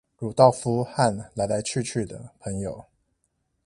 魯道夫和來來去去的朋友